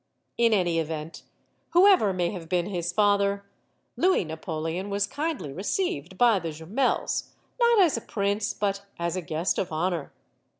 In any event, whoever may have been his father, Louis Napoleon was kindly received by the Jumels; not as a prince, but as a guest of honor.